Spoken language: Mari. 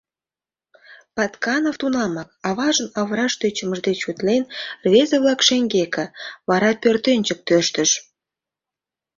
Патканов тунамак, аважын авыраш тӧчымыж деч утлен, рвезе-влак шеҥгеке, вара пӧртӧнчык тӧрштыш.